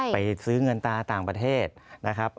ไปซื้อเงินตาต่างประเทศนะครับ